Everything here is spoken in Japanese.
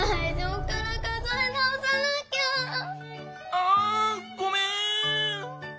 あごめん。